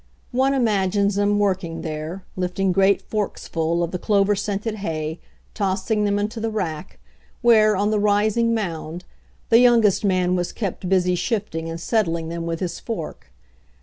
One imagines them work ing there, lifting great forksful of the clover scented hay, tossing them into the rack, where, on the rising mound, the youngest man was kept busy shifting and settling them with his fork.